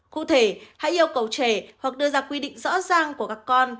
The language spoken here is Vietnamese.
cụ thể hãy yêu cầu trẻ hoặc đưa ra quy định rõ ràng của các con